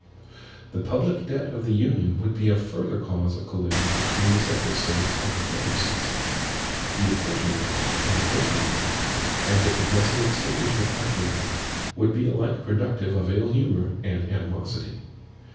The public debt of the Union would be a further cause of collision between the separate States or confederacies. The apportionment, in the first instance, and the progressive extinguishment afterward, would be alike productive of ill humor and animosity.